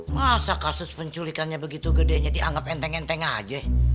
masa kasus penculikannya begitu gedenya dianggap enteng enteng aja